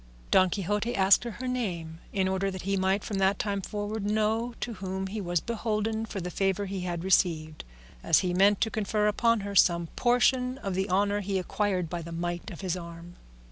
Don Quixote asked her name in order that he might from that time forward know to whom he was beholden for the favour he had received, as he meant to confer upon her some portion of the honour he acquired by the might of his arm.